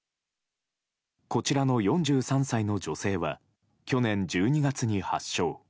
こちらの４３歳の女性は去年１２月に発症。